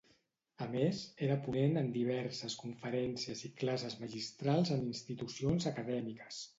A més, era ponent en diverses conferències i classes magistrals en institucions acadèmiques.